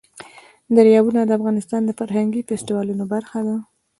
دریابونه د افغانستان د فرهنګي فستیوالونو برخه ده.